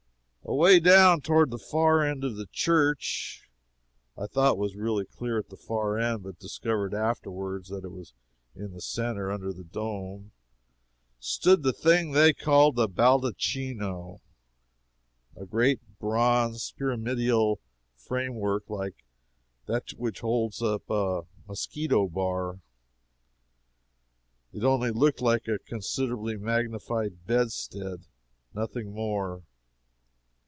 Away down toward the far end of the church (I thought it was really clear at the far end, but discovered afterward that it was in the centre, under the dome,) stood the thing they call the baldacchino a great bronze pyramidal frame work like that which upholds a mosquito bar. It only looked like a considerably magnified bedstead nothing more.